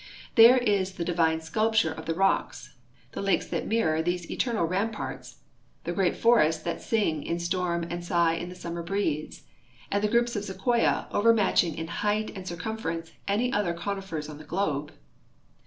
There is the divine sculpture of the rocks, the lakes that mirror these eternal ramparts, the CALIFORNIA 323 great forests that sing in storm and sigh in the summer breeze, and the groups of sequoia overmatching in height and circum ference any other conifers on the globe.